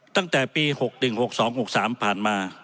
ตั้งแต่ปี๖๑๖๒๖๓ผ่านมา